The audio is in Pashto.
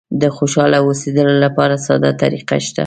د خوشاله اوسېدلو لپاره ساده طریقه شته.